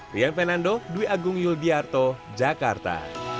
rian fernando dwi agung yul diarto jakarta